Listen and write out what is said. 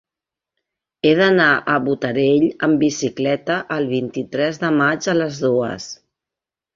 He d'anar a Botarell amb bicicleta el vint-i-tres de maig a les dues.